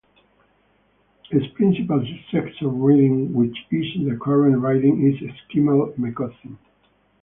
Its principal successor-riding, which is the current riding, is Esquimalt-Metchosin.